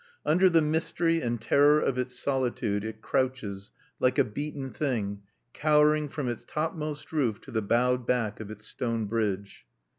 Under the mystery and terror of its solitude it crouches, like a beaten thing, cowering from its topmost roof to the bowed back of its stone bridge.